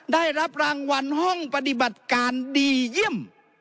ได้รับรางวัลห้องปฏิบัติการดีเยี่ยม